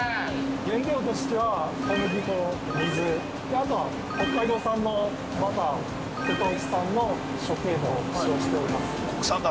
◆原料としては、小麦粉、水、あとは北海道産のバター、瀬戸内産の食塩を使用しております。